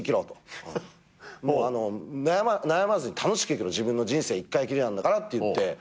悩まずに楽しく生きろ自分の人生１回切りなんだからって言って。